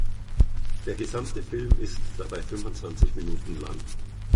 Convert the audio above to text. Der gesamte Film ist dabei fünfundzwanzig Minuten lang.